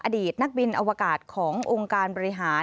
อดีตนักบินอวกาศขององค์การบริหาร